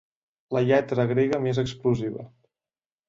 La lletra grega més explosiva.